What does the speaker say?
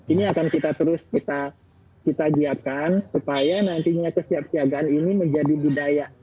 ini akan kita terus kita giatkan supaya nantinya kesiapsiagaan ini menjadi budaya